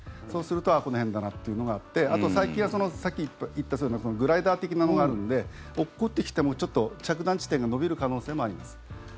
そうするとこの辺だなというのがあってあと、最近はさっき言ったグライダー的なのがあるので落っこってきてもちょっと着弾地点が延びる可能性もあります。